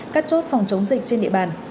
cắt chốt phòng chống dịch trên địa bàn